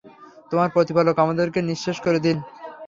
তোমার প্রতিপালক আমাদেরকে নিঃশেষ করে দিন!